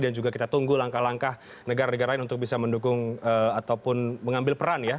juga kita tunggu langkah langkah negara negara lain untuk bisa mendukung ataupun mengambil peran ya